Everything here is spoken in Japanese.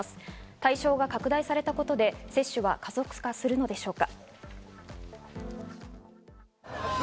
対象が拡大されたことで接種は加速化するのでしょうか。